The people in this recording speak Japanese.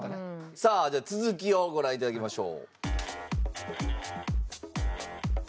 さあじゃあ続きをご覧頂きましょう。